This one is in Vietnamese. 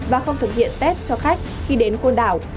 và không thực hiện tết cho khách khi đến côn đảo